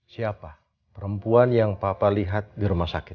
siapa perempuan yang papa lihat di rumah sakit